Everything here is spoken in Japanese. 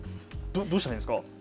どうしたらいいですか。